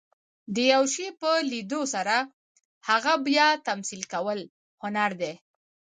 د یو شي په لیدلو سره هغه بیا تمثیل کول، هنر دئ.